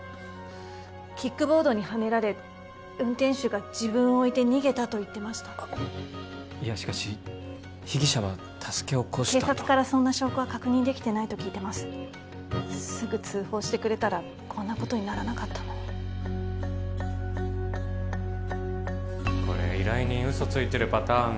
キックボードにはねられ運転手が自分を置いて逃げたと言ってましたあっいやしかし被疑者は助け起こしたと警察からそんな証拠は確認できてないと聞いてますすぐ通報してくれたらこんなことにならなかったのにこれ依頼人嘘ついてるパターン？